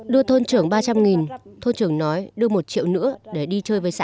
đưa thôn trưởng ba trăm linh thôn trưởng nói đưa một triệu nữa để đi chơi với xã